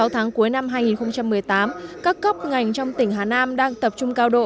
sáu tháng cuối năm hai nghìn một mươi tám các cấp ngành trong tỉnh hà nam đang tập trung cao độ